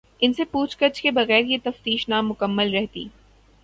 ان سے پوچھ گچھ کے بغیر یہ تفتیش نامکمل رہتی۔